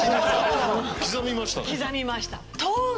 刻みましたね。